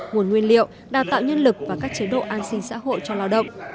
nguồn nguyên liệu đào tạo nhân lực và các chế độ an sinh xã hội cho lao động